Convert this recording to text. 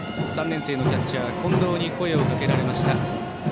３年生のキャッチャー近藤に声をかけられました